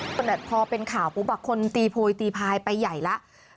แต่พอเป็นข่าวปุ๊บคนตีโพยตีพายไปใหญ่แล้ว